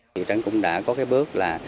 thị trấn cũng đã có cái bước là